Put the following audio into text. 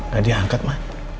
tadi angkat ma